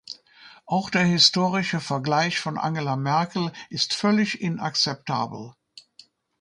Auch der historische Vergleich von Angela Merkel ist völlig inakzeptabel.